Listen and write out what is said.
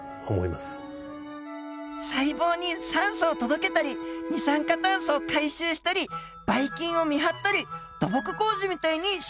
細胞に酸素を届けたり二酸化炭素を回収したりばい菌を見張ったり土木工事みたいに修復したり。